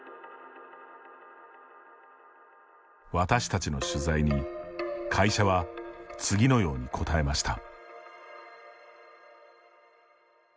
私たちの取材に会社は次のように答えました。